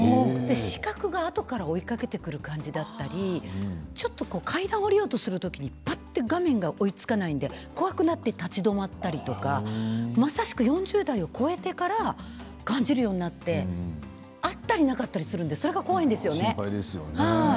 視覚があとから追いかけてくる感じだったり階段を下りようとする時に、画面が追いつかないので怖くなって立ち止まったりとかまさしく４０代を超えてから感じるようになってあったりなかったりするのが怖いですよね。